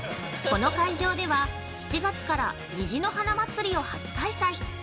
◆この会場では７月から虹の花まつりを初開催！